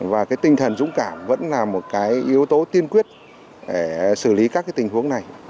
và tinh thần dũng cảm vẫn là một yếu tố tiên quyết để xử lý các tình huống này